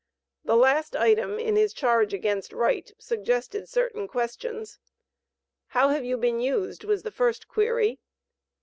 The last item in his charge against Wright, suggested certain questions: "How have you been used?" was the first query.